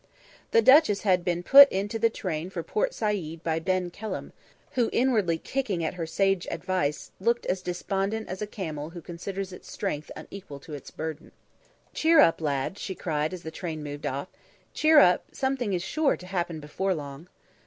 The duchess had been put into the train for Port Said by Ben Kelham, who, inwardly kicking at her sage advice, looked as despondent as a camel who considers its strength unequal to its burden. "Cheer up, lad," she cried as the train moved off. "Cheer up; something is sure to happen before long."